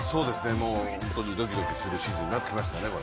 もう本当にドキドキするシーズンになってきましたね。